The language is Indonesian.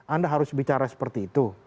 anda harus bicara seperti itu